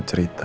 eh apa itu